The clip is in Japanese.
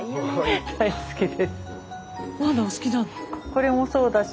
これもそうだし。